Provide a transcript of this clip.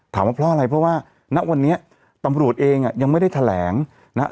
ว่าเพราะอะไรเพราะว่าณวันนี้ตำรวจเองอ่ะยังไม่ได้แถลงนะฮะ